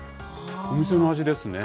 お店の味ですね。